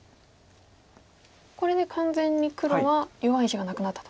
これで完全に黒は弱い石がなくなったと。